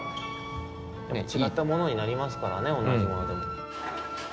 ちがったものになりますからねおなじものでも。